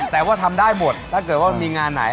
แต่ว่าทำได้หมดถ้าเกิดว่ามีงานไหน